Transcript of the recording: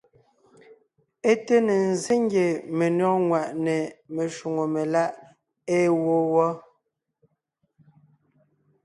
É té ne ńzsé ngie menÿɔ́g ŋwàʼne meshwóŋè meláʼ ée wó wɔ́.